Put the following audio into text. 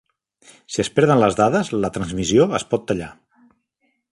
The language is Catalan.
Si es perden les dades, la transmissió es pot tallar.